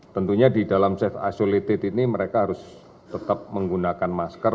tentunya di dalam self isolated ini mereka harus tetap menggunakan masker